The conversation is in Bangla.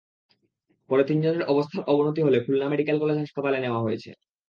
পরে তিনজনের অবস্থার অবনতি হলে খুলনা মেডিকেল কলেজ হাসপাতালে নেওয়া হয়েছে।